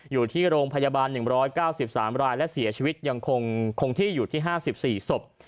อยู่ที่โรงพยาบาล๑๙๓รายและเสียชีวิตยังคงที่อยู่ที่๕๔ศพ